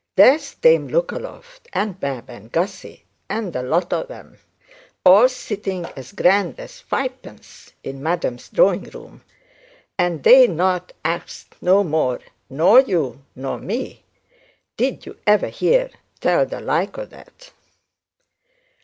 'There's dame Lookaloft and Bab and Gussy and the lot of 'em all sitting as grand as fivepence in madam's drawing room, and they not axed no more nor you nor me. Did you ever hear tell the like o' that?'